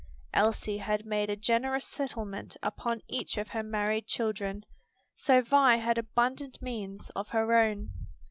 Elsie had made a generous settlement upon each of her married children; so Vi had abundant means of her own.